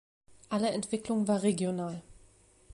Alle Entwicklung war regional.